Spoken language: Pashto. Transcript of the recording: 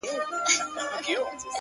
o د زړه بوټى مي دی شناخته د قبرونو ـ